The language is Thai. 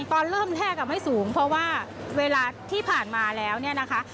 ตอนเริ่มแทกไม่สูงเพราะว่าเวลาที่ผ่านมาแล้วเนี่ยนะคะ